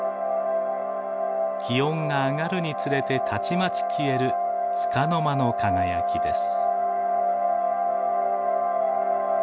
気温が上がるにつれてたちまち消えるつかの間の輝きです。